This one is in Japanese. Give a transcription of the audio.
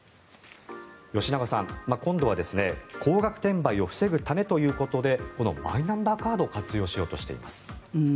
吉永さん、今度は高額転売を防ぐためということでこのマイナンバーカードを活用しようとしています。